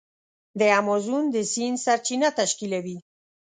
د امازون د سیند سرچینه تشکیلوي.